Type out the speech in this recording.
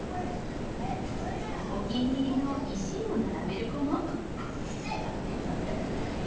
お気に入りの石を並べる子も。